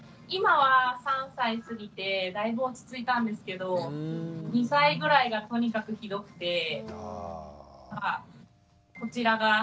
今は３歳過ぎてだいぶ落ち着いたんですけど２歳ぐらいがとにかくひどくて。